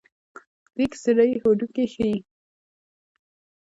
د ایکس رې هډوکي ښيي.